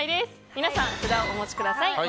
皆さん、札をお持ちください。